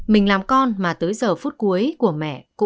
mình làm con mà tới giờ phút cuối của mẹ cũng không thể bên con